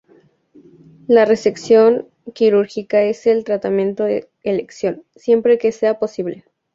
La resección quirúrgica es el tratamiento de elección, siempre que sea posible.